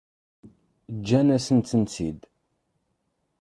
Ǧǧan-asent-ten-id?